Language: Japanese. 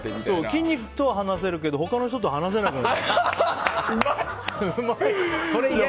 筋肉とは話せるけど他の人と話せなくなった。